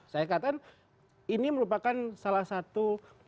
saya katakan ini merupakan salah satu